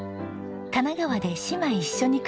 神奈川で姉妹一緒に暮らしています。